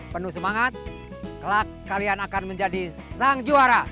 penuh semangat kelak kalian akan menjadi sang juara